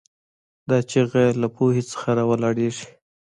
دا چیغه له پوهې څخه راولاړېږي.